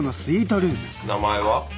名前は？